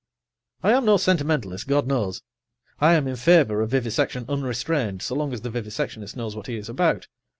I am no sentimentalist, God knows. I am in favor of vivisection unrestrained, so long as the vivisectionist knows what he is about.